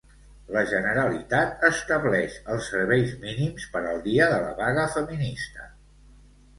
La Generalitat estableix els serveis mínims per al dia de la vaga feminista.